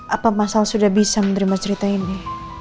apa masalah sudah bisa menerima cerita ini